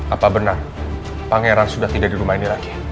apa benar pangeran sudah tidak di rumah ini lagi